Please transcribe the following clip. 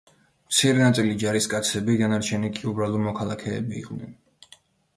მცირე ნაწილი ჯარისკაცები, დანარჩენი კი უბრალო მოქალაქეები იყვნენ.